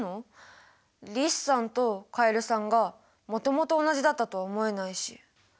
リスさんとカエルさんがもともと同じだったとは思えないし。